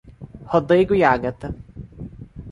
Rodrigo e Agatha